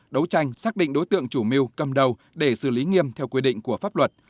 đấu tranh xác định đối tượng chủ mưu cầm đầu để xử lý nghiêm theo quy định của pháp luật